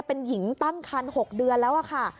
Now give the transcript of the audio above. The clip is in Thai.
เป็นหญิงตั้งคัน๖เดือนแล้วค่ะ